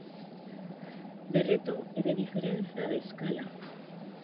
De reto e de diferenza de escala.